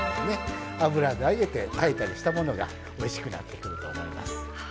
油で揚げて炊いたりしたものがおいしくなってくると思います。